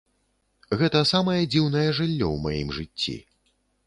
Гэта самае дзіўнае жыллё ў маім жыцці.